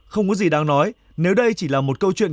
không có gì đáng nói nếu đây chỉ là một câu chuyện